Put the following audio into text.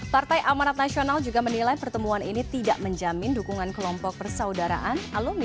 partai amanat nasional juga menilai pertemuan ini tidak menjamin dukungan kelompok persaudaraan alumni